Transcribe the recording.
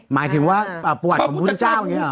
หมายถึงว่าปฎของพระพุทธเจ้า